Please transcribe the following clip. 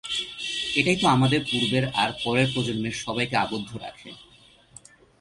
এটাই তো আমাদের পূর্বের আর পরের প্রজন্মের সবাইকে আবদ্ধ রাখে।